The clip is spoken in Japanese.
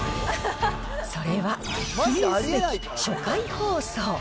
それは、記念すべき初回放送。